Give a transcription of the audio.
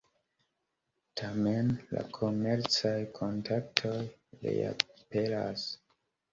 Tamen, la komercaj kontaktoj reaperas.